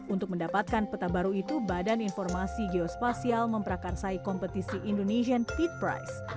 untuk mendapatkan peta baru itu badan informasi geospasial memperakarsai kompetisi indonesian feed price